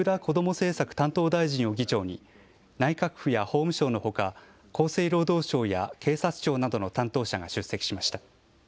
政策担当大臣を議長に内閣府や法務省のほか厚生労働省や警察庁などの担当者が出席しました。